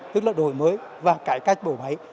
tức là đổi mới và cải cách bộ máy